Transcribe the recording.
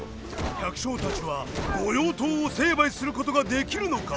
百姓たちは御用盗を成敗することができるのか？